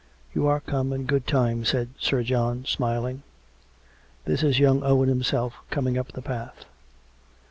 " You are come in good time," said Sir John, smiling. " That is young Owen himself coming up the path."